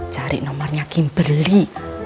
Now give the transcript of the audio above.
cari nomernya kimberly